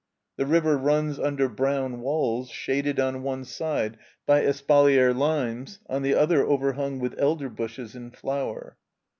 The river runs tmder brown walls, shaded on one side by espalier limes, on the other over hung with elder bushes in flower.